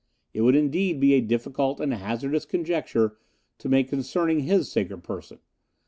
"It would indeed be a difficult and hazardous conjecture to make concerning his sacred person.